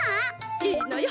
いいのよ